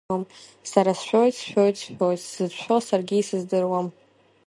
Сара сшәоит, сшәоит, сшәоит, сзыцәшәо саргьы исыздыруам.